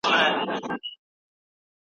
که تدریس منظم وي، زده کړه نه ځنډېږي.